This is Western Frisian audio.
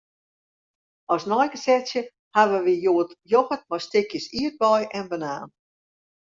As neigesetsje hawwe wy hjoed yochert mei stikjes ierdbei en banaan.